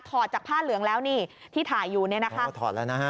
ถอดจากผ้าเหลืองแล้วที่ถ่ายอยู่เนี่ยถอดแล้วนะคะ